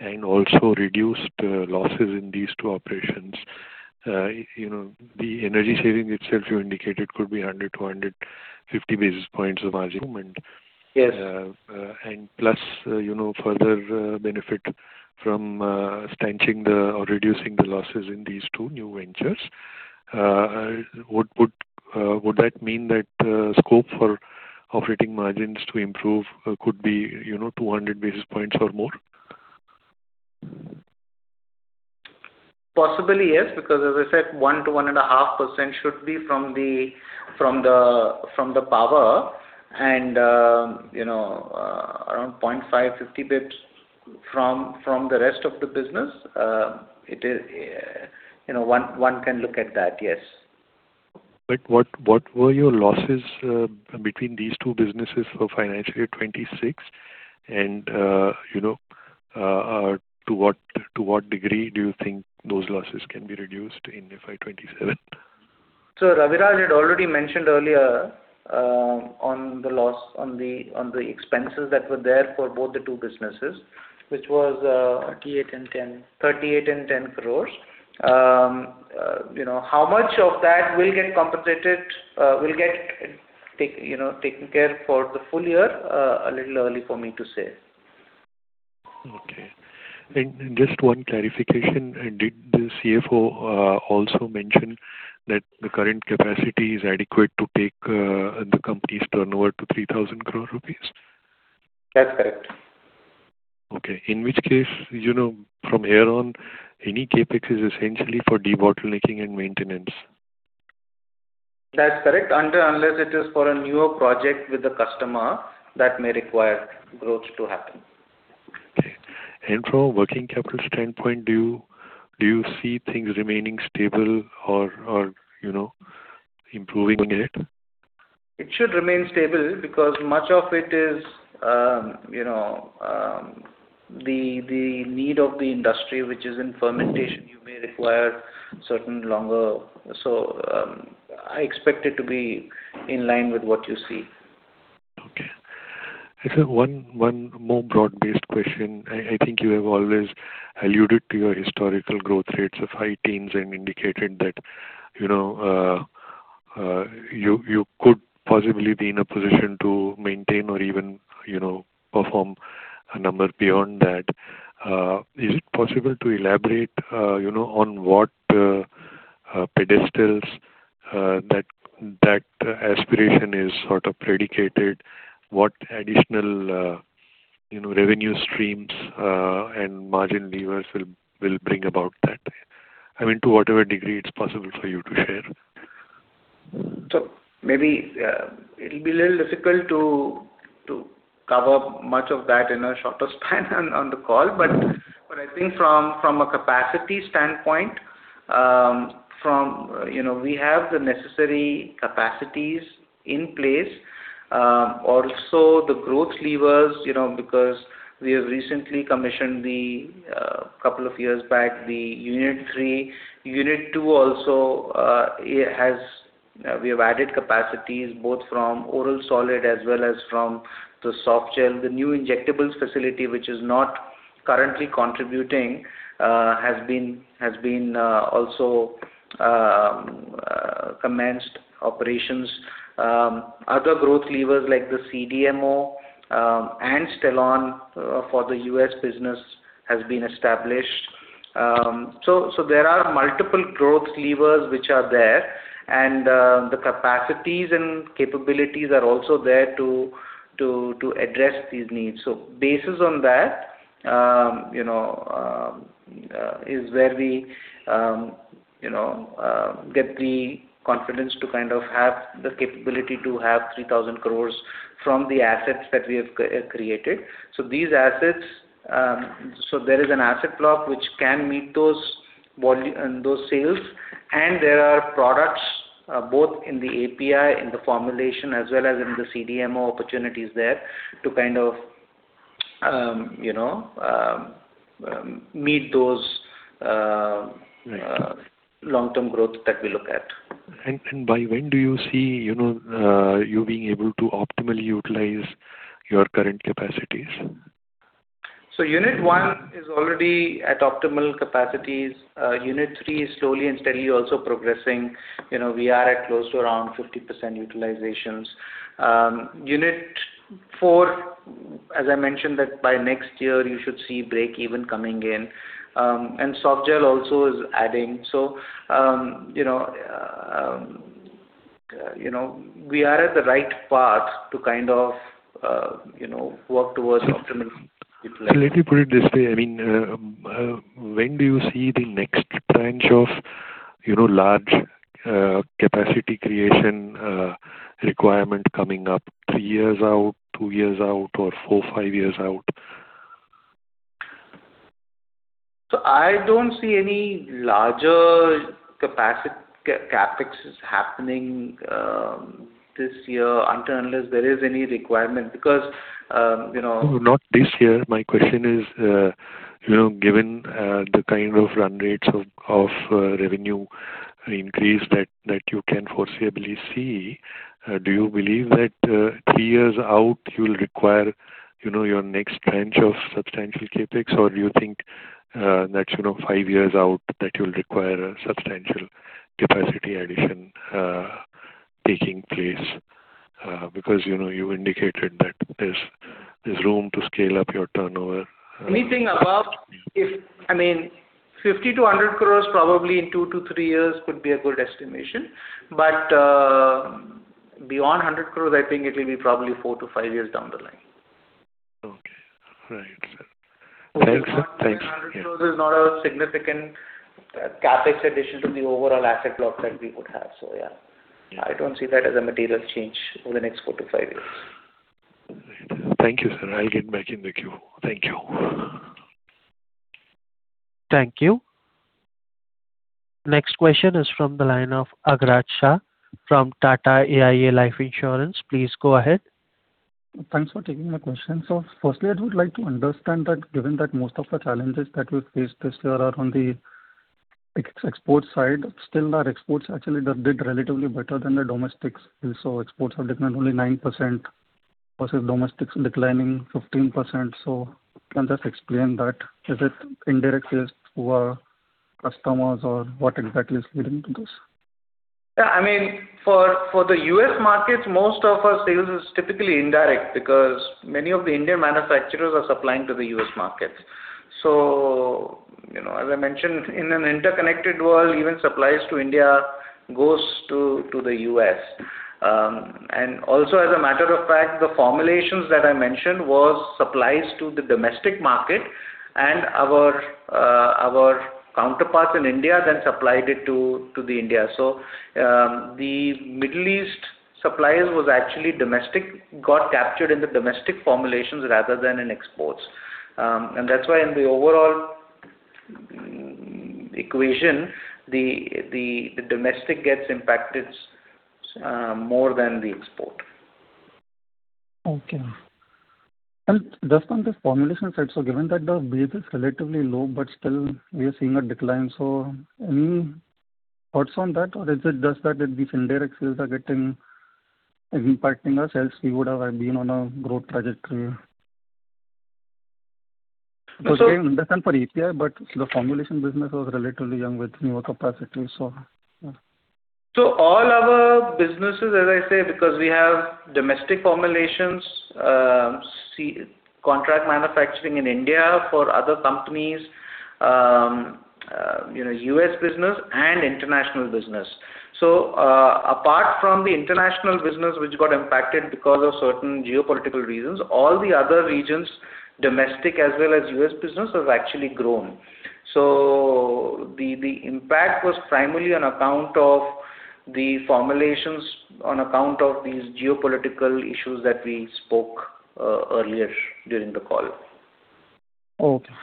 Speaker 9: and also reduced losses in these two operations, the energy saving itself you indicated could be 100-150 basis points of margin.
Speaker 2: Yes.
Speaker 9: Plus further benefit from stanching or reducing the losses in these two new ventures. Would that mean that scope for operating margins to improve could be 200 basis points or more?
Speaker 2: Possibly yes, because as I said, 1%-1.5% should be from the power and around 0.5, 50 basis points from the rest of the business. One can look at that, yes.
Speaker 9: What were your losses between these two businesses for FY 2026? To what degree do you think those losses can be reduced in FY 2027?
Speaker 2: Raviraj had already mentioned earlier the expenses that were there for both the two businesses.
Speaker 3: 38 crore and 10 crore
Speaker 2: INR 38 crore and INR 10 crore. How much of that will get compensated, will get taken care of for the full year? It's a little early for me to say.
Speaker 9: Okay. Just one clarification. Did the CFO also mention that the current capacity is adequate to take the company's turnover to 3,000 crore rupees?
Speaker 2: That's correct.
Speaker 9: In which case, from here on, any CapEx is essentially for debottlenecking and maintenance.
Speaker 2: That's correct. Until, unless it is for a newer project with the customer that may require growth to happen.
Speaker 9: Okay. From a working capital standpoint, do you see things remaining stable or improving on it?
Speaker 2: It should remain stable because much of it is the need of the industry, which is in fermentation. I expect it to be in line with what you see.
Speaker 9: Okay. I think one more broad-based question. I think you have always alluded to your historical growth rates of high teens and indicated that you could possibly be in a position to maintain or even perform a number beyond that. Is it possible to elaborate on what pedestals that aspiration is sort of predicated on and what additional revenue streams and margin levers will bring about that? I mean, to whatever degree it's possible for you to share.
Speaker 2: Maybe it'll be a little difficult to cover much of that in a shorter span on the call. I think from a capacity standpoint, we have the necessary capacities in place. Also, the growth levers, because we have recently commissioned, a couple of years back, unit three. Unit two also, we have added capacities both from oral solids as well as from the softgel. The new injectables facility, which is not currently contributing, has also commenced operations. Other growth levers like the CDMO, and Stellon for the U.S. business have been established. There are multiple growth levers that are there, and the capacities and capabilities are also there to address these needs. Based on that is where we get the confidence to kind of have the capability to have 3,000 crore from the assets that we have created. There is an asset block that can meet those sales, and there are products, both in the API and the formulation, as well as CDMO opportunities there to kind of meet that long-term growth that we look at.
Speaker 9: By when do you see you being able to optimally utilize your current capacities?
Speaker 2: Unit 1 is already at optimal capacity. Unit three is slowly and steadily also progressing. We are at close to around 50% utilization. Unit four, as I mentioned, should see breakeven coming in by next year. Softgel is also being added. We are on the right path to kind of work towards optimal utilization.
Speaker 9: Let me put it this way. When do you see the next tranche of large capacity creation requirement coming up? Three years out, two years out, or four, five years out?
Speaker 2: I don't see any larger CapEx happening this year until and unless there is any requirement because.
Speaker 9: No, not this year. My question is, given the kind of run rates of revenue increase that you can foreseeably see, do you believe that three years out, you'll require your next tranche of substantial CapEx, or do you think that five years out, you'll require a substantial capacity addition taking place? Because you indicated that there's room to scale up your turnover.
Speaker 2: Anything above 50 crores-100 crores, probably in two to three years, could be a good estimation. Beyond 100 crores, I think it will probably be four to five years down the line.
Speaker 9: Okay. Right. Thanks.
Speaker 2: INR 100 crore is not a significant CapEx addition to the overall asset block that we would have. Yeah.
Speaker 9: Yeah.
Speaker 2: I don't see that as a material change over the next four to five years.
Speaker 9: Right. Thank you, sir. I'll get back in the queue. Thank you.
Speaker 1: Thank you. Next question is from the line of Agraj Shah from Tata AIA Life Insurance. Please go ahead.
Speaker 10: Thanks for taking my question, sir. I would like to understand that given that most of the challenges that we faced this year are on the export side, still our exports actually did relatively better than the domestic ones. Exports have declined only 9%. Versus domestics declining 15%. Can you just explain that? Is it indirect sales to our customers, or what exactly is leading to this?
Speaker 2: Yeah. For the U.S. markets, most of our sales are typically indirect because many of the Indian manufacturers are supplying to the U.S. market. As I mentioned, in an interconnected world, even supplies to India go to the U.S. As a matter of fact, the formulations that I mentioned were supplied to the domestic market, and our counterparts in India then supplied them to India. The Middle East supplies were actually domestic; they got captured in the domestic formulations rather than in exports. That's why in the overall equation, the domestic gets impacted more than the export.
Speaker 10: Okay. Just on this formulation side, given that the base is relatively low, we are still seeing a decline. Any thoughts on that, or is it just that these indirect sales are impacting our sales, we would have been on a growth trajectory.
Speaker 2: So-
Speaker 10: Just on for API, but the formulation business was relatively young with newer capacity.
Speaker 2: All our businesses, as I say, because we have domestic formulations, contract manufacturing in India for other companies, U.S. business, and international business. Apart from the international business, which got impacted because of certain geopolitical reasons, all the other regions, domestic as well as U.S. businesses, have actually grown. The impact was primarily on account of the formulations and on account of these geopolitical issues that we spoke about earlier during the call.
Speaker 10: Okay.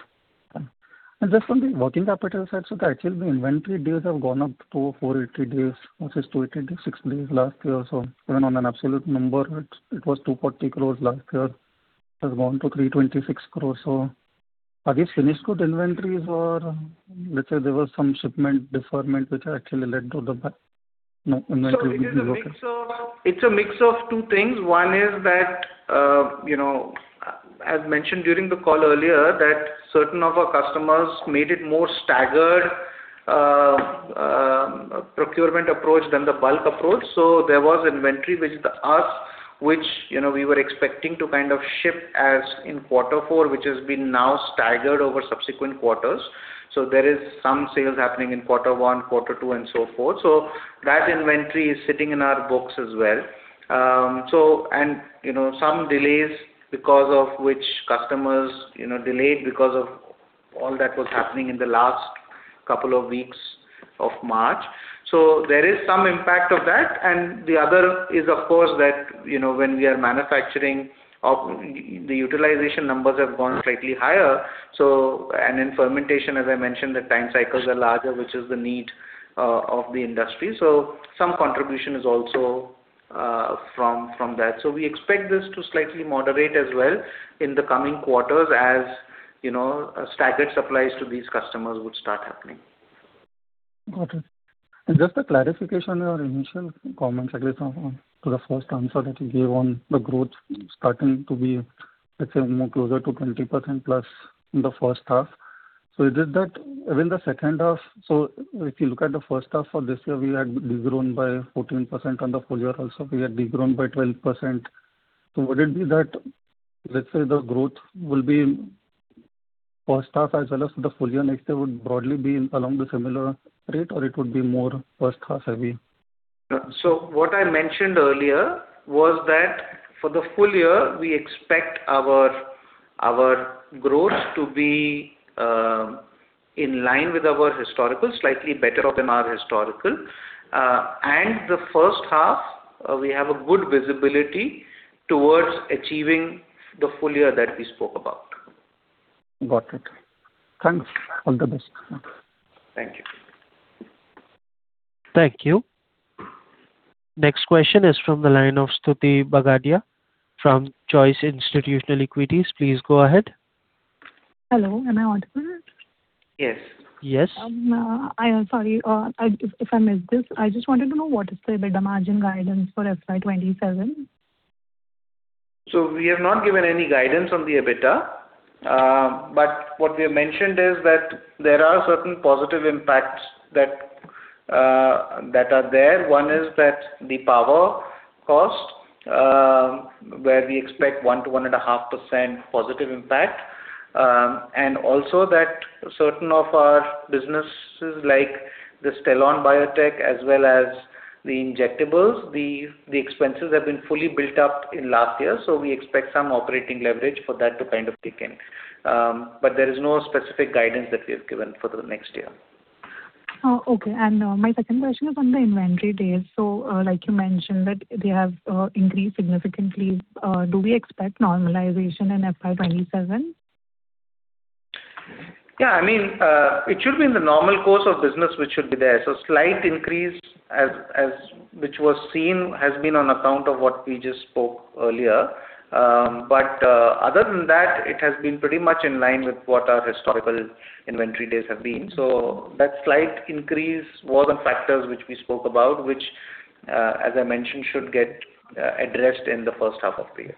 Speaker 10: Just on the working capital side, actually, the inventory days have gone up to 480 days versus 286 days last year. Even in an absolute number, it was 240 crores last year. It has gone to 326 crore. Are these finished goods inventories, or let's say there was some shipment deferment, which actually led to the inventory building?
Speaker 2: It's a mix of two things. One is that, as mentioned during the call earlier, certain of our customers made it a more staggered procurement approach than the bulk approach. There was inventory with us, which we were expecting to kind of ship in quarter four, which has now been staggered over subsequent quarters. There are some sales happening in quarter one, quarter two, and so forth. That inventory is sitting in our books as well. Some delays occurred because customers were delayed because of all that was happening in the last couple of weeks of March. There is some impact of that, and the other is, of course, that when we are manufacturing, the utilization numbers have gone slightly higher. In fermentation, as I mentioned, the time cycles are larger, which is the need of the industry. Some contribution is also from that. We expect this to slightly moderate as well in the coming quarters as staggered supplies to these customers will start happening.
Speaker 10: Got it. Just a clarification on your initial comments, at least to the first answer that you gave on the growth starting to be, let's say, more close to +20% in the first half. Is it that even in the second half, if you look at the first half for this year, we had degrown by 14%? In the full year, also, we had degrown by 12%. Would it be that, let's say, the growth will be in the first half as well as the full year next year broadly along a similar rate, or would it be more first-half heavy?
Speaker 2: What I mentioned earlier was that for the full year, we expect our growth to be in line with our history, slightly better than our history. The first half, we have good visibility towards achieving the full year that we spoke about.
Speaker 10: Got it. Thanks. All the best.
Speaker 2: Thank you.
Speaker 1: Thank you. Next question is from the line of Stuti Bagadia from Choice Institutional Equities. Please go ahead.
Speaker 11: Hello, am I audible?
Speaker 2: Yes.
Speaker 1: Yes.
Speaker 11: I am sorry if I missed this. I just wanted to know what is the EBITDA margin guidance for FY 2027?
Speaker 2: We have not given any guidance on the EBITDA. What we have mentioned is that there are certain positive impacts that are there. One is the power cost, where we expect a 1%-1.5% positive impact. Also, for certain of our businesses, like Stellon Biotech as well as the injectables, the expenses have been fully built up in the last year. We expect some operating leverage for that to kind of kick in. There is no specific guidance that we have given for the next year.
Speaker 11: Oh, okay. My second question is on the inventory days. Like you mentioned, they have increased significantly. Do we expect normalization in FY 2027?
Speaker 2: Yeah. It should be in the normal course of business, which should be there. Slight increase, which was seen, has been on account of what we just spoke about earlier. Other than that, it has been pretty much in line with what our historical inventory days have been. That slight increase was on factors that we spoke about, which, as I mentioned, should get addressed in the first half of the year.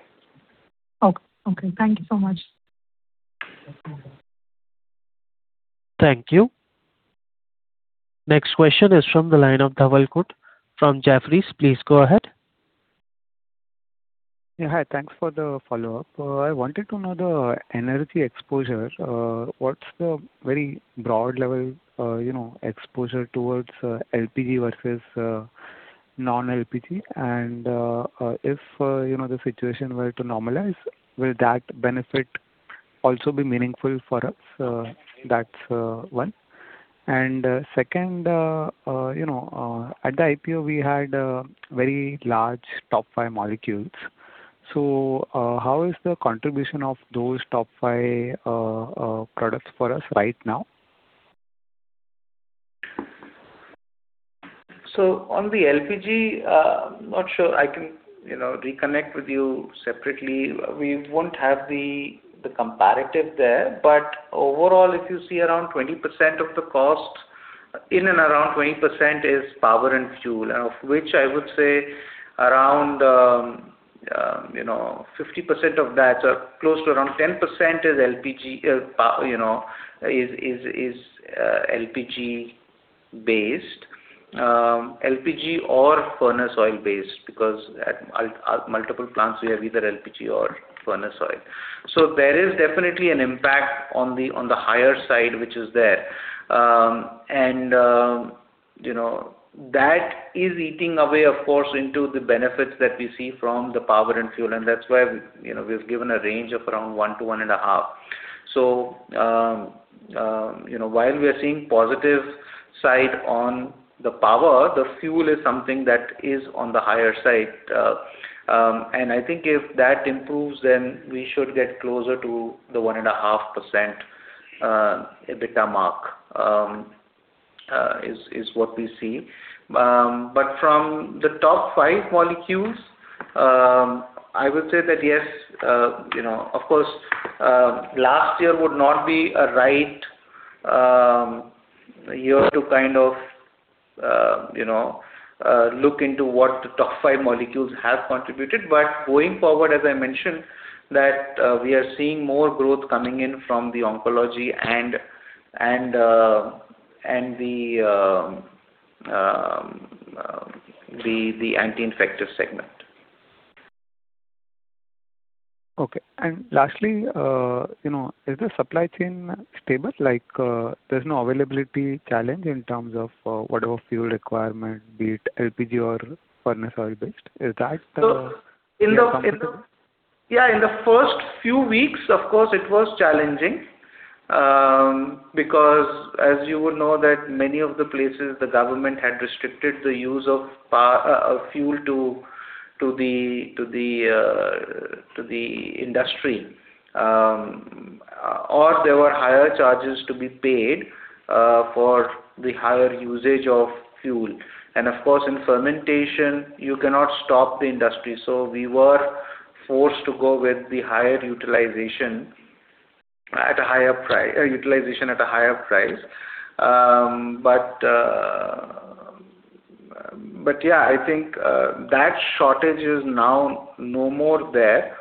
Speaker 11: Okay. Thank you so much.
Speaker 1: Thank you. Next question is from the line of Dhaval Khunt from Jefferies. Please go ahead.
Speaker 5: Yeah. Hi. Thanks for the follow-up. I wanted to know the energy exposure. What's the very broad-level exposure towards LPG versus non-LPG? If the situation were to normalize, will that benefit also be meaningful for us? That's one. Second, at the IPO, we had very large top-five molecules. How is the contribution of those top five products for us right now?
Speaker 2: On the LPG, not sure. I can reconnect with you separately. We won't have the comparator there. Overall, if you see around 20% of the cost, in and around 20% is power and fuel. Of which I would say around 50% of that or close to around 10% is LPG based. LPG- or furnace oil-based, because at multiple plants we have either LPG or furnace oil. There is definitely an impact on the higher side, which is there. That is eating away, of course, into the benefits that we see from the power and fuel, and that's why we've given a range of around 1%-1.5%. While we are seeing a positive side to the power, the fuel is something that is on the higher side. I think if that improves, then we should get closer to the 1.5% EBITDA mark, which is what we see. From the top five molecules, I would say that, yes, of course, last year would not be the right year to look into what the top five molecules have contributed. Going forward, as I mentioned, we are seeing more growth coming in from the oncology and the anti-infective segments.
Speaker 5: Okay. Lastly, is the supply chain stable? Like, there's no availability challenge in terms of whatever fuel requirement, be it LPG or furnace oil-based?
Speaker 2: In the first few weeks, of course, it was challenging. As you would know, many of the places the government had restricted the use of fuel to the industry. There were higher charges to be paid for the higher usage of fuel. Of course, in fermentation, you cannot stop the industry. We were forced to go with the higher utilization at a higher price. I think that shortage is now no longer there.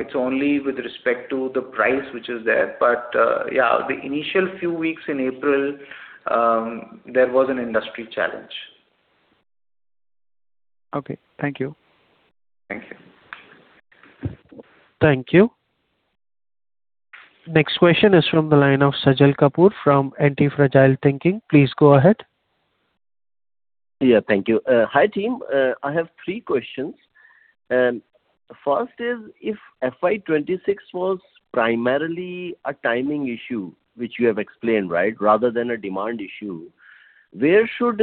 Speaker 2: It's only with respect to the price, which is there. The initial few weeks in April, there was an industry challenge.
Speaker 5: Okay. Thank you.
Speaker 2: Thank you.
Speaker 1: Thank you. Next question is from the line of Sajal Kapoor from Antifragile Thinking. Please go ahead.
Speaker 12: Yeah. Thank you. Hi, team. I have three questions. First is, if FY 2026 was primarily a timing issue, which you have explained, right? Rather than a demand issue. Where should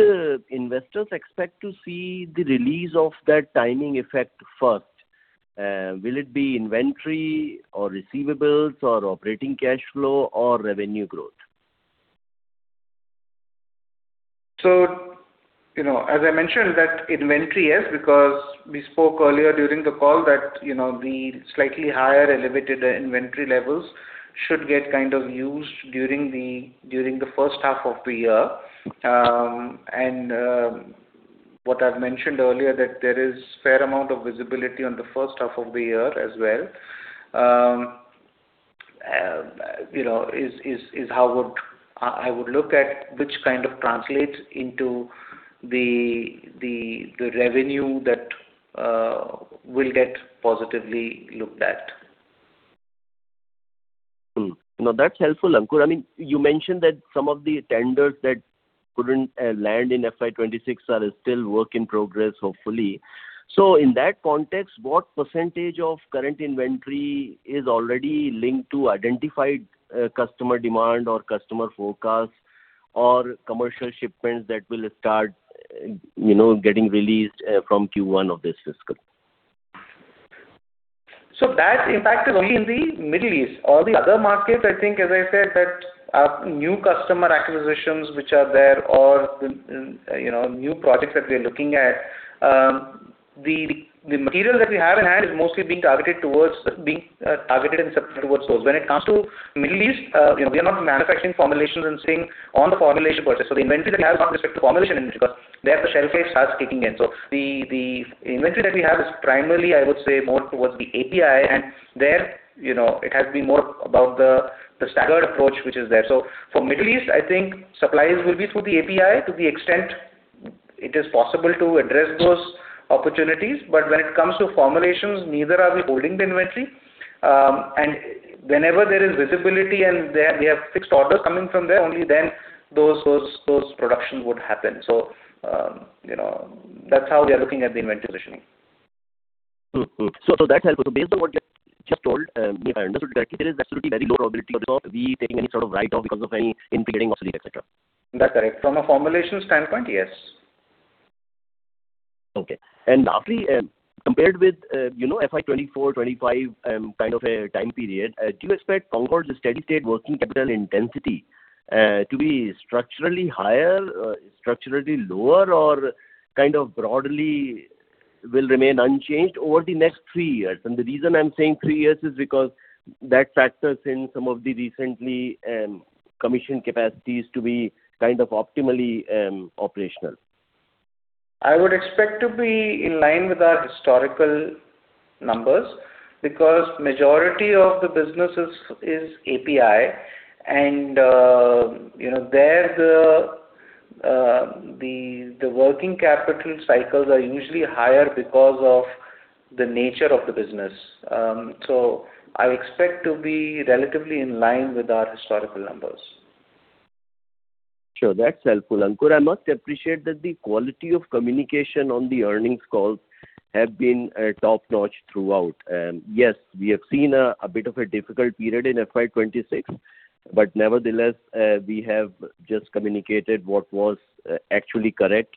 Speaker 12: investors expect to see the release of that timing effect first? Will it be inventory or receivables or operating cash flow or revenue growth?
Speaker 2: As I mentioned that inventory, yes, because we spoke earlier during the call that the slightly higher elevated inventory levels should get used during the first half of the year. What I've mentioned earlier, that there is a fair amount of visibility on the first half of the year as well, is how I would look at what kind of translates into the revenue that will get positively looked at.
Speaker 12: No, that's helpful, Ankur. You mentioned that some of the tenders that couldn't land in FY 2026 are still work in progress, hopefully. In that context, what percentage of current inventory is already linked to identified customer demand or customer forecast or commercial shipments that will start getting released from Q1 of this fiscal?
Speaker 2: That impact is only in the Middle East. All the other markets, I think, as I said, have new customer acquisitions that are there or new projects that we are looking at, the material that we have in hand is mostly being targeted and supplied towards those. When it comes to the Middle East, we are not manufacturing formulations and saying so on the formulation purchase. The inventory that we have with respect to formulation, there the shelf life starts kicking in. The inventory that we have is primarily, I would say, more towards the API, and there it has been more about the staggered approach that is there. For the Middle East, I think supplies will be through the API to the extent it is possible to address those opportunities, but when it comes to formulations, neither are we holding the inventory. Whenever there is visibility and we have fixed orders coming from there, only then will those productions happen. That's how we are looking at the inventory positioning.
Speaker 12: That's helpful. Based on what you just said, if I understood correctly, there is absolutely very low probability of us taking any sort of write-off because of any inventory losses, et cetera.
Speaker 2: That's correct. From a formulation standpoint, yes.
Speaker 12: Okay. Compared with FY 2024, 2025, kind of a time period, do you expect Concord's steady-state working capital intensity to be structurally higher, structurally lower, or kind of broadly remain unchanged over the next three years? The reason I'm saying three years is because that factors in some of the recently commissioned capacities to be kind of optimally operational.
Speaker 2: I would expect to be in line with our historical numbers because the majority of the businesses is API and there the working capital cycles are usually higher because of the nature of the business. I would expect to be relatively in line with our historical numbers.
Speaker 12: Sure. That's helpful. Ankur, I must appreciate that the quality of communication on the earnings calls has been top-notch throughout. Yes, we have seen a bit of a difficult period in FY 2026, but nevertheless, we have just communicated what was actually correct,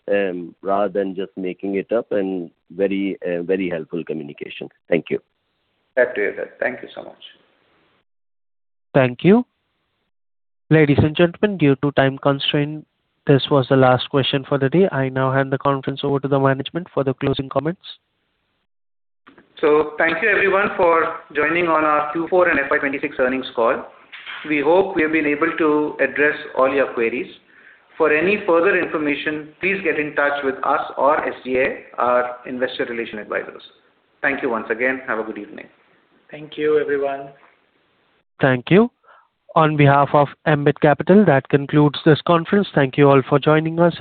Speaker 12: rather than just making it up, and very helpful communication. Thank you.
Speaker 2: Happy to hear that. Thank you so much.
Speaker 1: Thank you. Ladies and gentlemen, due to time constraints, this was the last question for the day. I now hand the conference over to the management for the closing comments.
Speaker 2: Thank you, everyone, for joining on our Q4 and FY 2026 earnings call. We hope we've been able to address all your queries. For any further information, please get in touch with us or SGA, our investor relation advisors. Thank you once again. Have a good evening.
Speaker 3: Thank you, everyone.
Speaker 1: Thank you. On behalf of Ambit Capital, that concludes this conference. Thank you all for joining us.